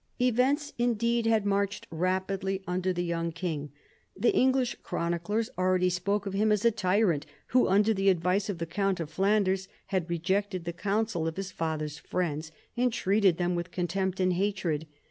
Events indeed had marched rapidly under the young king. The English chroniclers already spoke of him as a tyrant who, under the advice of the count of Flanders, had rejected the counsel of his father's friends, and treated them with contempt and hatred.